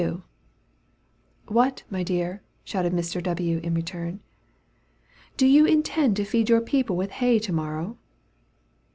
W." "What, my dear?" shouted Mr. W. in return. "Do you intend to feed your people with hay to morrow?"